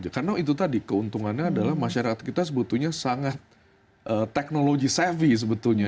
karena itu tadi keuntungannya adalah masyarakat kita sebetulnya sangat teknologi savvy sebetulnya